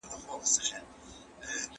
زه بايد سبزیحات پاختم؟